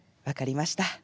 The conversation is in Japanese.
「分かりました」。